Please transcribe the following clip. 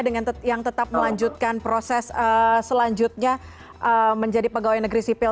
dengan yang tetap melanjutkan proses selanjutnya menjadi pegawai negeri sipil